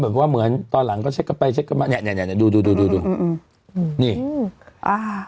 เหมือนว่าเหมือนตอนหลังก็เช็คกลับไปเช็คกลับมาเนี้ยเนี้ยเนี้ยดูดูดูดูอืมอืมอืมนี่อ่า